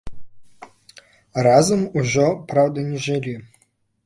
Разам ужо, праўда, не жылі.